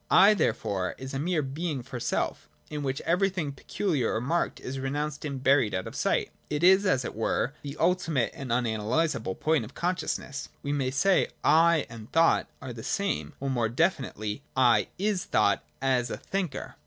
' I,' therefore, is mere being for self, in which everything peculiar or marked is renounced and buried out of sight ; it is as it were the ultimate and unanalysable point of consciousness. We may say ' I ' and thought are the same, or, more definitely, ' I ' is thought as a thinker.